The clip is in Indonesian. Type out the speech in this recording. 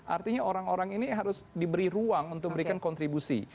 artinya orang orang ini harus diberi ruang untuk memberikan kontribusi